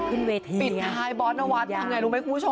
ปิดท้ายบอสนวัตร